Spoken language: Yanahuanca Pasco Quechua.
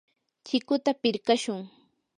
chikuta pirqashun.